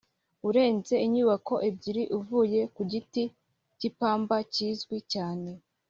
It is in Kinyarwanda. Urenze inyubako ebyiri uvuye ku giti cy ipamba kizwi cyane